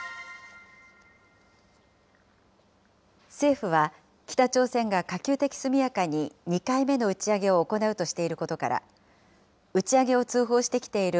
政府は、北朝鮮が可及的速やかに２回目の打ち上げを行うとしていることから、打ち上げを通報してきている